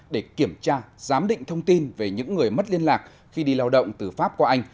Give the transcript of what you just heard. để kiểm tra giám định thông tin về những người mất liên lạc khi đi lao động từ pháp qua anh